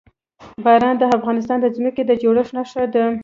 باران د افغانستان د ځمکې د جوړښت نښه ده.